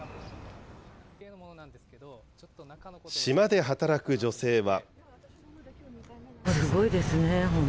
島で働く女性は。